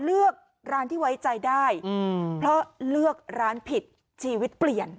เลือกร้านที่ไว้ใจได้เพราะเลือกร้านผิดชีวิตเปลี่ยน